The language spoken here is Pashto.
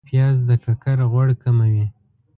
پیاز د ککر غوړ کموي